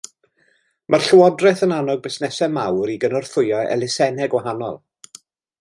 Mae'r llywodraeth yn annog busnesau mawr i gynorthwyo elusennau gwahanol